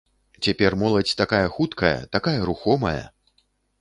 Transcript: Цяпер моладзь такая хуткая, такая рухомая.